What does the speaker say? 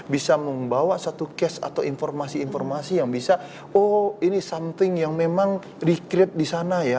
bisa membawa satu case atau informasi informasi yang bisa oh ini something yang memang recrete di sana ya